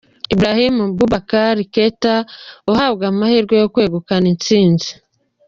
Ibrahim Boubacar Keita uhabwa amahirwe yo kwegukana intsinzi.